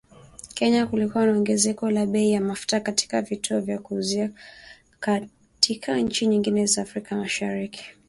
Kenya kulikuwa na ongezeko la bei ya mafuta katika vituo vya kuuzia katika nchi nyingine za Afrika Mashariki